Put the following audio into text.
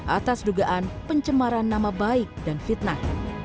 atas dugaan pencemaran nama baik dan fitnah